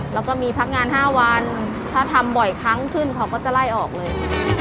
แล้วก็มีพักงาน๕วันถ้าทำบ่อยครั้งขึ้นเขาก็จะไล่ออกเลย